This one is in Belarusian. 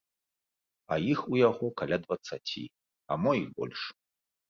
А іх у яго каля дваццаці, а мо і больш.